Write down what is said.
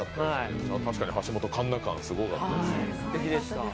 確かに橋本環奈感すごかったです。